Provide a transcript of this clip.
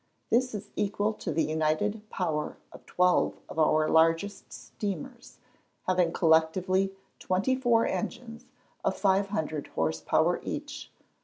This is equal to the united power of twelve of our largest steamers, having collectively 24 engines of 500 horse power each.